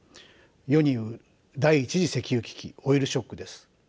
世にいう第１次石油危機オイルショックです。